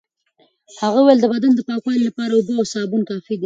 هغه وویل د بدن د پاکوالي لپاره اوبه او سابون کافي دي.